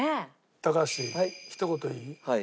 高橋ひと言いい？